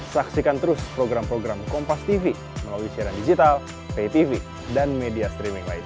saksikan terus program program kompastv melalui siaran digital paytv dan media streaming lain